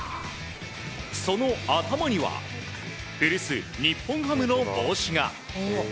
その頭には古巣・日本ハムの帽子が。